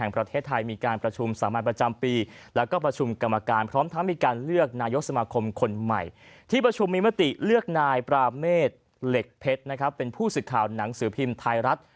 ประเมศเหล็กเพชรเป็นผู้สิทธิ์ข่าวหนังสือพิมพ์ไทยรัฐ